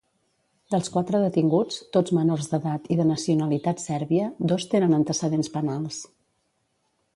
Dels quatre detinguts, tots menors d'edat i de nacionalitat sèrbia, dos tenen antecedents penals.